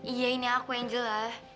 iya ini aku angel lah